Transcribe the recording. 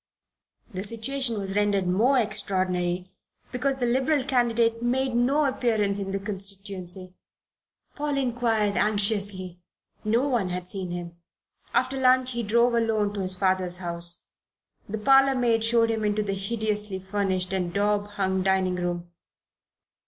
The situation was rendered more extraordinary because the Liberal candidate made no appearance in the constituency. Paul inquired anxiously. No one had seen him. After lunch he drove alone to his father's house. The parlour maid showed him into the hideously furnished and daub hung dining room.